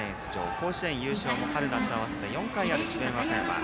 甲子園優勝も春夏合わせて４回ある智弁和歌山。